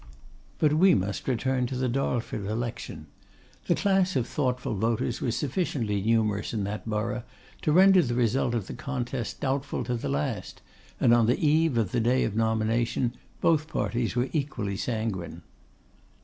But we must return to the Darlford election. The class of thoughtful voters was sufficiently numerous in that borough to render the result of the contest doubtful to the last; and on the eve of the day of nomination both parties were equally sanguine.